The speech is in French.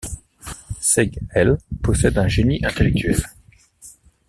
Seyg-El possède un génie intellectuel.